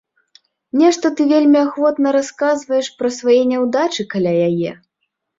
Нешта ты вельмі ахвотна расказваеш пра свае няўдачы каля яе.